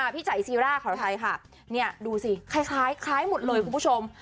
พี่จัยซีร่าของเราไทยค่ะนี่ดูสิคล้ายคล้ายหมดเลยคุณผู้ชม